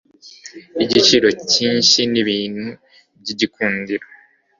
y igiciro cyinshi n ibintu by igikundiro